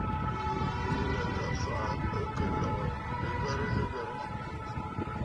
Bìʼinə̀ ka fàʼà, ɨ kɨ lɔ̀gə̀ nɨghərə nɨghərə.